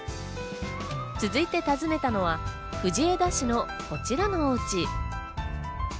続いて訪ねたのは藤枝市のこちらのお家。